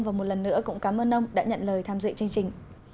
và một lần nữa cũng cảm ơn ông đã nhận lời tham dự chương trình